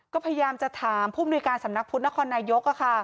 ก็พยายามจะถามผู้มนุยการสำนักพุทธนครนายก